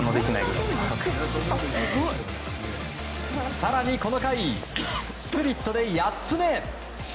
更に、この回スプリットで８つ目。